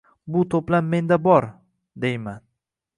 – Bu to’plam menda bor, – deyman.